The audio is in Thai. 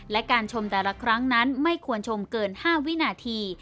และการชมแต่ละครั้งนั้นไม่ควรชมเกิน๕วินาที